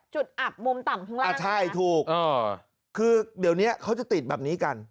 อับมุมต่ำข้างล่างอ่าใช่ถูกคือเดี๋ยวนี้เขาจะติดแบบนี้กัน